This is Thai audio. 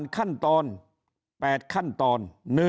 ขั้นตอน๘ขั้นตอน